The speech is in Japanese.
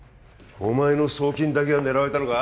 お前の送金だけが狙われたのか？